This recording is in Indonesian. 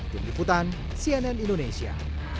dari liputan cnn indonesia